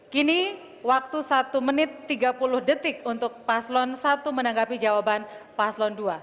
kini waktu satu menit tiga puluh detik untuk paslon satu menanggapi jawaban paslon dua